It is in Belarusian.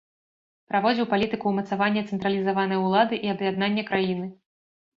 Праводзіў палітыку ўмацавання цэнтралізаванай улады і аб'яднання краіны.